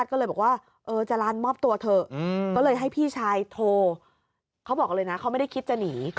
เขาเลยให้พี่ชายโทรเขาบอกเลยนะเขาไม่ได้คิดจะหนี